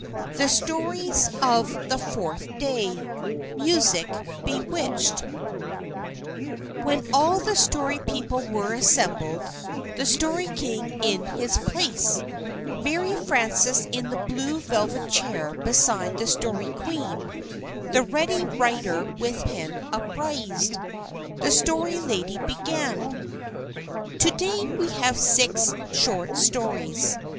THE STORIES OF THE FOURTH DAY XXVII MUSIC BEWITCHED WHEN all the Story People were assembled, the Story King in his place, Mary Frances in the blue velvet chair beside the Story Queen, the Ready Writer with pen upraised, the Story Lady began: "To day we have six short stories.